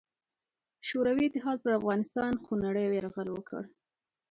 شوروي اتحاد پر افغانستان خونړې یرغل وکړ.